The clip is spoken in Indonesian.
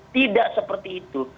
tidak seperti itu